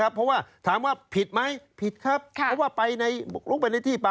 เพราะว่าถามว่าผิดไหม